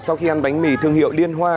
sau khi ăn bánh mì thương hiệu liên hoa